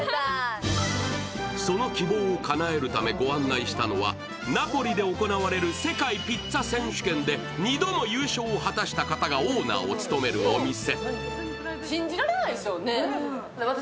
その希望をかなえるためご案内したのはナポリで行われる世界ピッツァ選手権で２度も優勝を果たした方がオーナーを務めるお店。